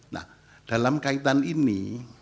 nah dalam kaitan ini